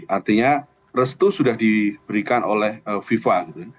artinya restu sudah diberikan oleh fifa